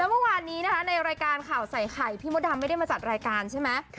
เมื่อวานนี้นะคะในรายการข่าวใส่ไข่พี่มดดำไม่ได้มาจัดรายการใช่ไหม